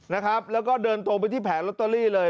นะครับแล้วก็เดินตรงไปที่แผงลอตเตอรี่เลย